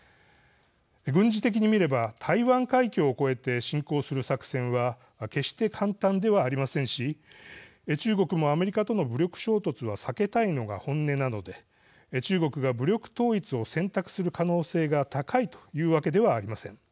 軍事的に見れば台湾海峡を越えて侵攻する作戦は決して簡単ではありませんし中国もアメリカとの武力衝突は避けたいのが本音なので中国が武力統一を選択する可能性が高いというわけではありません。